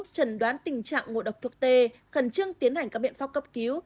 trần đoán tình trạng ngô độc thuốc tê khẩn trương tiến hành các biện pháp cấp cứu